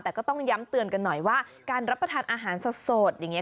แต่ก็ต้องย้ำเตือนกันหน่อยว่าการรับประทานอาหารสดอย่างนี้